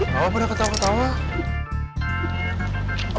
mbak wapudah ketawa ketawa